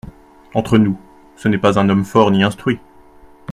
Entre nous, ce n’est pas un homme fort ni instruit…